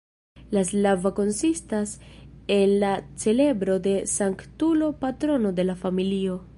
La "slava" konsistas en la celebro de sanktulo patrono de la familio.